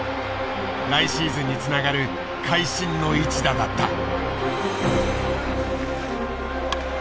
来シーズンにつながる会心の一打だった。